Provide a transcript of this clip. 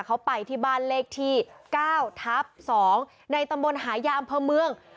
เขาไปที่บ้านเลขที่๙ทับ๒ในตำบลหายาอำเภอเมือง